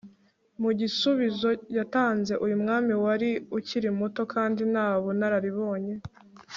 mu gisubizo yatanze, uyu mwami wari ukiri muto kandi nta bunararibonye